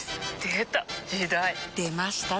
出ました！